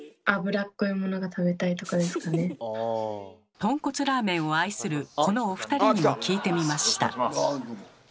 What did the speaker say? とんこつラーメンを愛するこのお二人にも聞いてみました。